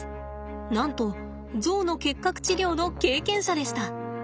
なんとゾウの結核治療の経験者でした。